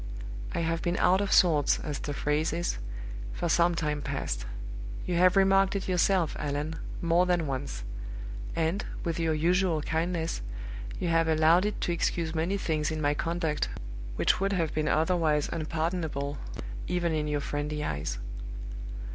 I have been out of sorts, as the phrase is, for some time past. You have remarked it yourself, Allan, more than once; and, with your usual kindness, you have allowed it to excuse many things in my conduct which would have been otherwise unpardonable, even in your friendly eyes."